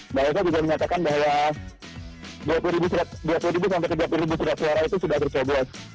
mbak eva juga menyatakan bahwa dua puluh sampai tiga puluh surat suara itu sudah tercoblos